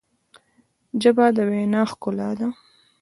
ژبه د وینا ښکلا ده.